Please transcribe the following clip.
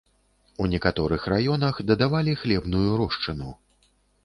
У некаторых раёнах дадавалі хлебную рошчыну.